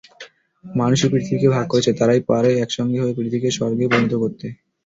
মানুষই পৃথিবীকে ভাগ করেছে, তারাই পারে একসঙ্গে হয়ে পৃথিবীকে স্বর্গে পরিণত করতে।